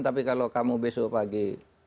tapi kalau kamu besok pagi